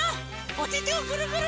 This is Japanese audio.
おててをぐるぐる！